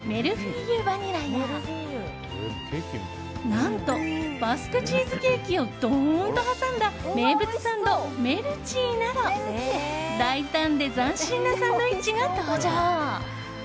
サクサクとした食感が楽しいメルフィーユバニラや何と、バスクチーズケーキをドーンと挟んだ名物サンドメルチーなど大胆で斬新なサンドイッチが登場。